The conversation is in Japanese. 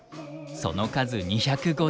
その数２５０。